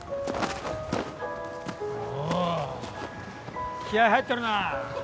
おお気合い入ってるな。